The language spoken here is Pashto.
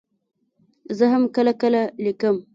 زه هم کله کله لیکم.